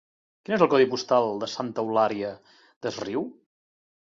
Quin és el codi postal de Santa Eulària des Riu?